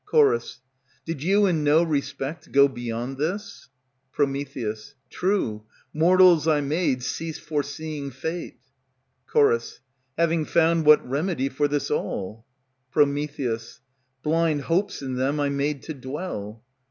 _ Did you in no respect go beyond this? Pr. True, mortals I made cease foreseeing fate. Ch. Having found what remedy for this all? Pr. Blind hopes in them I made to dwell.